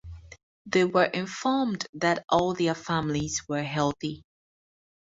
They were informed that all of their families were healthy.